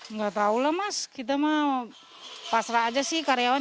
nggak tahu lah mas kita mah pasrah aja sih karyawan